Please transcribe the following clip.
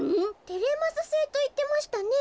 「テレマスセイ」といってましたね。